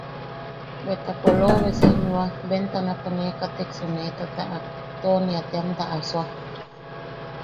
Bweta polobe senyoa, bentanapo ne kateksu nee tataʼak, Tonya teamta asoa.